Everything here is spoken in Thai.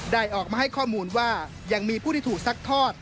ได้ออกมาให้ข้อมูลว่ายังมีผู้ที่ถูกซัดทอด